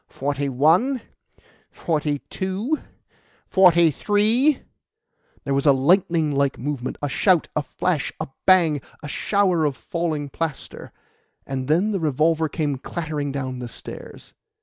"Forty one, forty two, forty three " There was a lightning like movement a shout a flash a bang a shower of falling plaster, and then the revolver came clattering down the stairs.